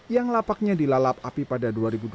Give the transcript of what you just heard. yang lapaknya dilalap api pada dua ribu dua belas